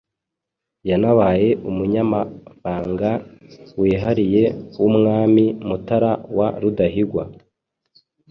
yanabaye umunyamabanga wihariye w’Umwami Mutara wa Rudahigwa.